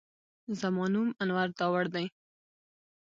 زما نوم انور داوړ دی